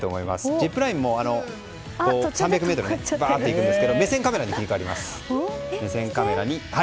ジップラインも３００ｍバーッと行くんですが目線カメラに切り替わります。